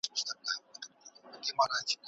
چيرته دې ته اړتیا سته چي د انسان حقوقو وڅیړل سي؟